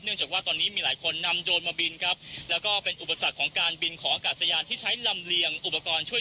เนื่องจากว่าตอนนี้มีหลายคนนำโดรนมาบินครับ